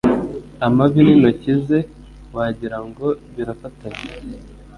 amavi n'intoki ze wagirango birafatanye